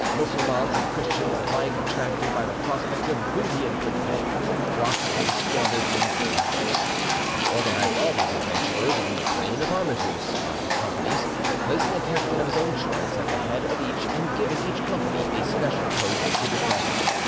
Mussulmans and Christians, alike attracted by the prospect of booty and good pay, flocked to his standard in crowds. He organised all these adventurers on the plan of the Armatous, by companies, placing a captain of his own choice at the head of each, and giving each company a special post to defend.